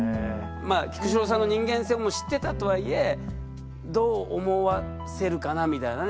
菊紫郎さんの人間性も知ってたとはいえどう思わせるかなみたいなね。